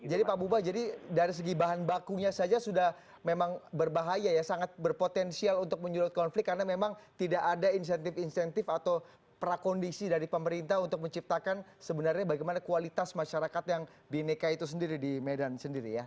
jadi pak bubah dari segi bahan bakunya saja sudah memang berbahaya ya sangat berpotensial untuk menyurut konflik karena memang tidak ada insentif insentif atau prakondisi dari pemerintah untuk menciptakan sebenarnya bagaimana kualitas masyarakat yang bineka itu sendiri di medan sendiri ya